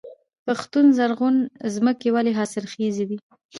پښتون زرغون ځمکې ولې حاصلخیزه دي؟